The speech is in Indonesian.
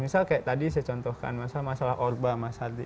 misal kayak tadi saya contohkan masalah masalah orba mas ardi